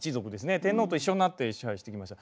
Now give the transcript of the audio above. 天皇と一緒になって支配してきました。